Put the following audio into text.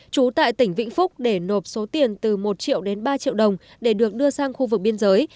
trú tại tỉnh vĩnh phúc để nộp số tiền từ một triệu đến ba triệu đồng để được đưa sang khu vực biên giới